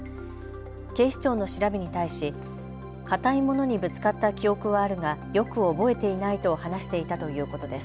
警視庁の調べに対し硬いものにぶつかった記憶はあるがよく覚えていないと話していたということです。